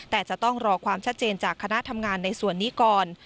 แต่จะต้องรอความชัดเจนจากคณะทำงานในส่วนนี้ก่อน